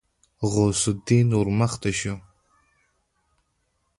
غوث الدين ورمخته شو.